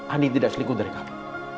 ani tidak selingkuh dari kamu